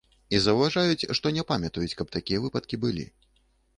І заўважаюць, што не памятаюць, каб такія выпадкі былі.